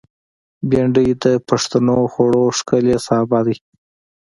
بېنډۍ د پښتنو خوړو ښکلی سابه دی